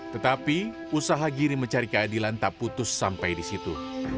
tetapi usaha giri mencari keadilan tak putus sampai di situ